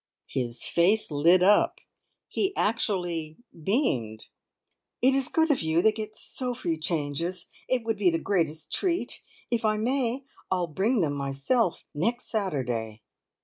His face lit up; he actually beamed. "It is good of you! They get so few changes. It would be the greatest treat! If I may I'll bring them myself next Saturday."